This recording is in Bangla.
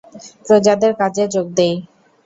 প্রজাদের কাজে যােগ দেয়।